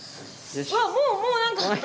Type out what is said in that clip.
うわっもうもう何か。